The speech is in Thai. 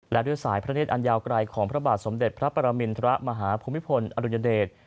และด้วยสายพระนิทอันยาวไกลของพระบาทสมเด็จพระประมิณฑรามหาภูมิพงศ์อธิบดิชน์